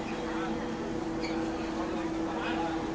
สวัสดีครับ